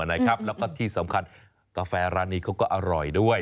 แล้วก็ที่สำคัญกาแฟร้านนี้เขาก็อร่อยด้วย